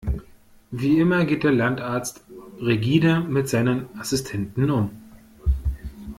Wie immer geht der Landarzt rigide mit seinen Assistenten um.